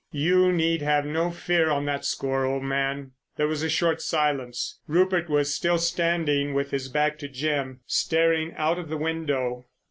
"You need have no fear on that score, old man." There was a short silence. Rupert was still standing with his back to Jim, staring out of the window.